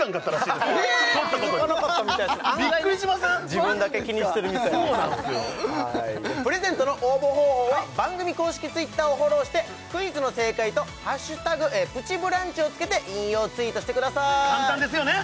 自分だけ気にしてるみたいですプレゼントの応募方法は番組公式Ｔｗｉｔｔｅｒをフォローしてクイズの正解と「＃プチブランチ」をつけて引用ツイートしてください簡単ですよね！